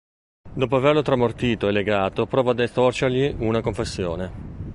Dopo averlo tramortito e legato, prova ad estorcergli una confessione.